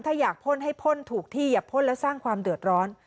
ถ้าอยากพ่นให้พ่นถูกที่อย่าพ่นและสร้างความเดือดร้อน